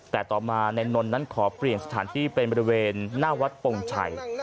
แต่ต่อมานายนนท์นั้นขอเปลี่ยนสถานที่เป็นบริเวณหน้าวัดปงชัย